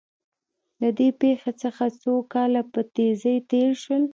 له دې پېښې څخه څو کاله په تېزۍ تېر شول